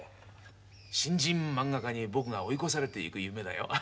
新人まんが家に僕が追い越されてゆく夢だよ。